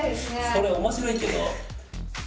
それ面白いけど。